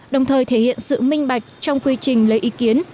đồng thời thể hiện sự minh bạch trong quy trình lấy ý kiến